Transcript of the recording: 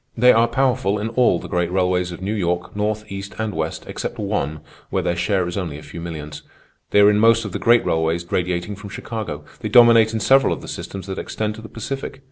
They are powerful in all the great railways of New York, north, east, and west, except one, where their share is only a few millions. They are in most of the great railways radiating from Chicago. They dominate in several of the systems that extend to the Pacific.